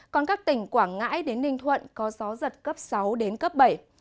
còn các tỉnh quảng ngãi đến ninh thuận có gió giật cấp sáu đến cấp bảy